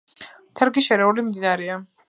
თერგი შერეული მდინარეა.